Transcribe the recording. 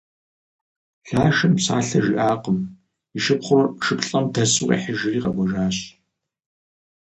Лашэм псалъэ жиӏакъым, и шыпхъур шыплӏэм дэсу къихьыжри къэкӏуэжащ.